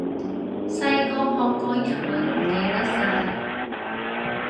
細個學過日文，唔記得晒